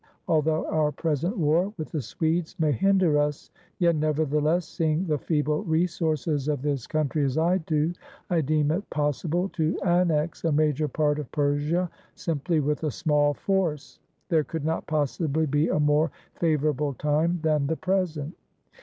Although our present war with the Swedes may hinder us, yet, nevertheless, seeing the feeble resources of this country as I do, I deem it pos sible to annex a major part of Persia simply with a small force. There could not possibly be a more favorable time than the present."